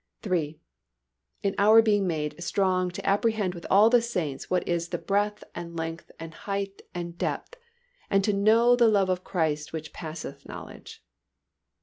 III. _In our being made strong to apprehend with all the saints what is the breadth and length and height and depth, and to know the love of Christ which passeth knowledge.